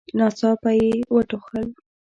ناڅاپه يې وټوخل.